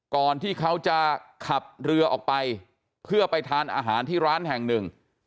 ก่อนที่เขาจะขับเรือออกไปเพื่อไปทานอาหารที่ร้านแห่งหนึ่ง